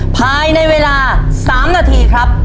ภายในเวลา๓นาทีครับ